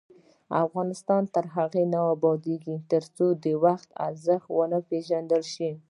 افغانستان تر هغو نه ابادیږي، ترڅو د وخت ارزښت ونه پیژندل شي.